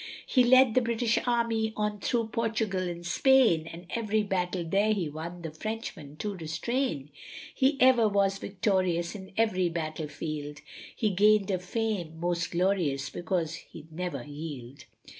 He led the British army on through Portugal and Spain, And every battle there he won the Frenchmen to restrain, He ever was victorious in every battle field, He gained a fame most glorious because he'd never yield.